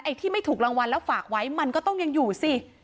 ที่ไม่ถูกรางวัลแล้วฝากไว้มันก็ต้องยังอยู่สิ